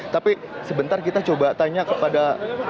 tapi sebentar kita coba tanya kepada